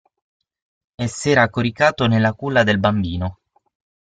E s'era coricato nella culla del bambino.